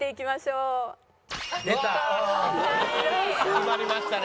決まりましたね